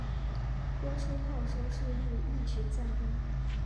播出后收视率一直较低。